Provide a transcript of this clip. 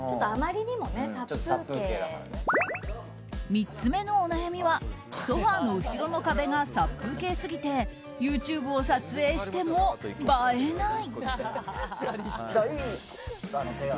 ３つ目のお悩みはソファの後ろの壁が殺風景すぎてＹｏｕＴｕｂｅを撮影しても映えない。